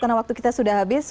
karena waktu kita sudah habis